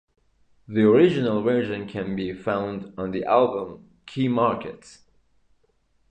The original version can be found on the album "Key Markets".